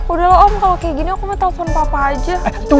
udahlah om kalau kayak gini aku mau telepon papa aja